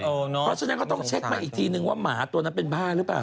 เพราะฉะนั้นก็ต้องเช็คมาอีกทีนึงว่าหมาตัวนั้นเป็นบ้าหรือเปล่า